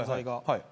はい。